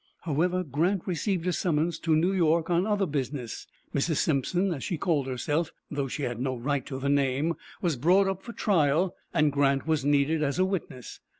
However Grant received a summons to New York on other business. Mrs. Simpson, as she called herself, though she had no right to the name, was brought up for trial, and Grant was needed as a witness.